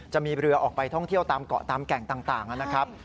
จะมีเรือออกไปท่องเที่ยวตามเกาะตามแก่งต่างนะครับ